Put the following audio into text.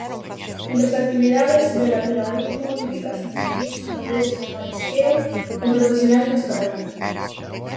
Entre as actividades, vela, piragüismo, hípica, sendeirismo, talleres ou marisqueo con profesionais nas praias.